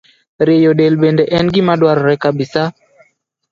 Rieyo del bende en gima dwarore kabisa.